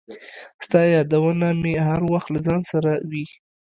• ستا یادونه مې هر وخت له ځان سره وي.